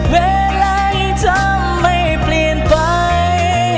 เวลายังทำไม่เปลี่ยนไป